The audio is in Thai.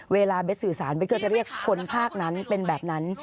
เวลาเบสสื่อสารเบสก็จะเรียกคนภาคนั้นเป็นแบบนั้น